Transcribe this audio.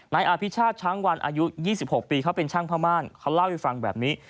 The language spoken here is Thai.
นายอภิชาติช้างวันอายุ๒๖ปีเขาเป็นช่างพม่านเขาเล่าให้ฟังแบบนี้